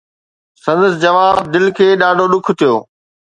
سندس جواب دل کي ڏاڍو ڏک ٿيو